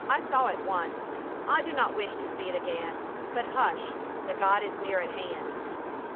I saw it once ; I do not wish to see it again. But hush, the god is near at hand."